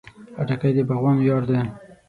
خټکی د باغوان ویاړ دی.